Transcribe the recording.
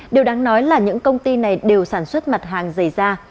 điều đáng nói là những công ty này đều sản xuất mặt hàng giày da